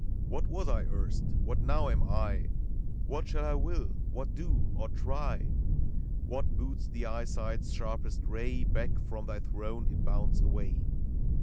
What was I erst? What now am I? What shall I will? — what do, or try? What boots the eyesight's sharpest ray? Back from thy throne it bounds away.